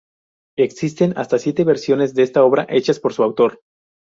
Existen hasta siete versiones de esta obra hechas por su autor.